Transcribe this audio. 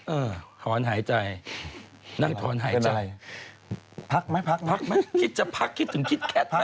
เออถอนหายใจนั่งถอนหายใจพักไหมพักพักไหมคิดจะพักคิดถึงคิดแค่พัก